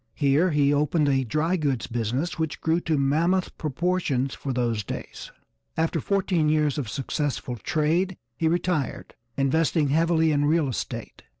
Here he opened a dry goods business which grew to mammoth proportions for those days. After fourteen years of successful trade he retired, investing heavily in real estate.